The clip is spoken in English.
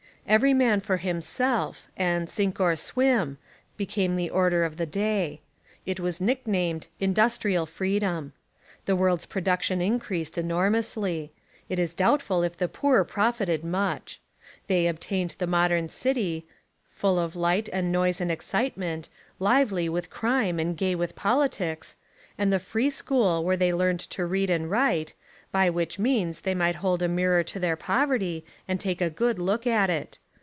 Every man for himself, and sink or swim, became the order of the day. It was nicknamed "industrial freedom." The world's production increased enormously. It is doubtful if the poor profited much. They obtained the modern city, — full of light and noise and excitement, lively with crime and gay with politics, — and the free school where they learned to read and write, by which means they might hold a mirror to their poverty and take a good look at it.